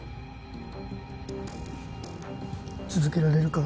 続けられるか？